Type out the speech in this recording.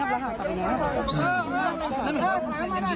ถูกพูดใครก็ไม่เชื่อแล้วก็มาถาม